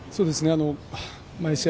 毎試合